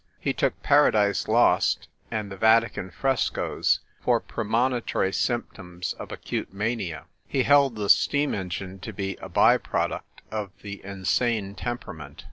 He took Paradise Lost and the Vatican frescoes for premonitory symptoms of acute mania ; he held the steam engine to be a by product of the insane temperament.